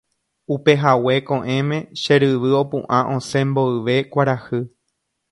Upehague ko'ẽme che ryvy opu'ã osẽ mboyve kuarahy.